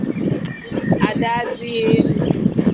Adazi-Enu